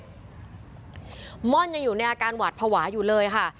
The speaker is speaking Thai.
ม่อนยังอยู่ในอาการหวาดภาวะอยู่เลยค่ะ